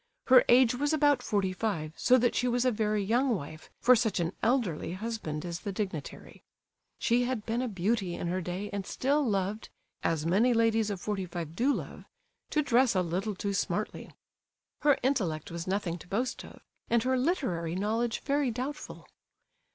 Her age was about forty five, so that she was a very young wife for such an elderly husband as the dignitary. She had been a beauty in her day and still loved, as many ladies of forty five do love, to dress a little too smartly. Her intellect was nothing to boast of, and her literary knowledge very doubtful.